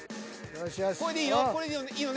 これでいいの？